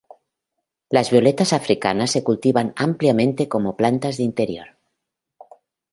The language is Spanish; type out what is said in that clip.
Las violetas africanas se cultivan ampliamente como plantas de interior.